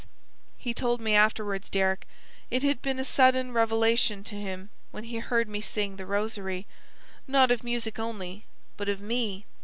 He told me afterwards, Deryck, it had been a sudden revelation to him when he heard me sing The Rosary, not of music only, but of ME.